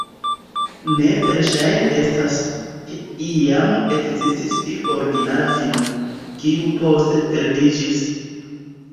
Ne verŝajne estas, ke iam ekzistis iu originala fino, kiu poste perdiĝis.